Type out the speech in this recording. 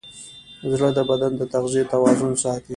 زړه د بدن د تغذیې توازن ساتي.